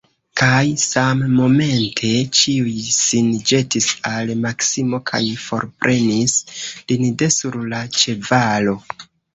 Kaj sammomente ĉiuj sin ĵetis al Maksimo kaj forprenis lin de sur la ĉevalo.